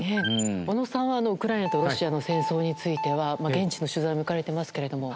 小野さんはウクライナとロシアの戦争については現地の取材も行かれてますけれども。